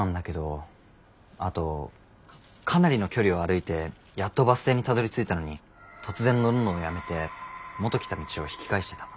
あとかなりの距離を歩いてやっとバス停にたどりついたのに突然乗るのをやめて元来た道を引き返してた。